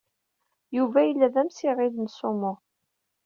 Yuba yella d amsiɣil n sumo.